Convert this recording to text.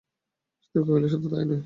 সুধীর কহিল, শুধু তাই নয়।